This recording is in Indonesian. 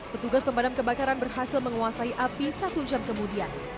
petugas pemadam kebakaran berhasil menguasai api satu jam kemudian